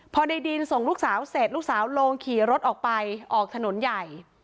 พอในดินส่งลูกสาวเสร็จลูกสาวลงขี่รถออกไปออกถนนใหญ่